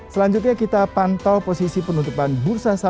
selanjutnya kita pantau posisi penutupan bursa amerika serikat di indonesia